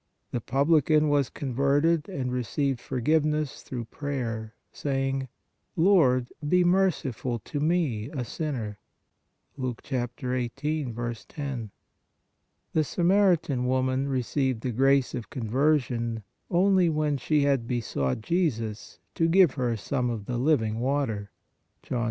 The publican was con verted and received forgiveness through prayer, say ing: "Lord, be merciful to me, a sinner" (Luke 18. 10). The Samaritan woman received the grace of conversion only when she had besought Jesus to give her some of " the living water " (John 4.